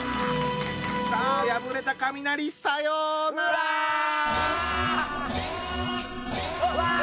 うわ！